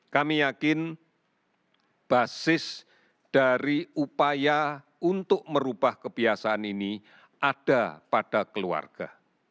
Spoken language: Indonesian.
kami yakin basis dari upaya untuk merubah kebiasaan ini ada pada keluarga